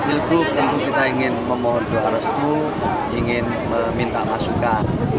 pilgub tentu kita ingin memohon doa restu ingin meminta masukan